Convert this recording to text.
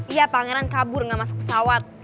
iya pangeran kabur nggak masuk pesawat